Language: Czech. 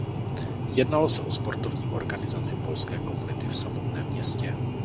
Jednalo se o sportovní organizaci polské komunity v samotném městě.